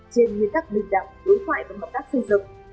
trên nguyên tắc bình đẳng đối thoại và hợp tác xây dựng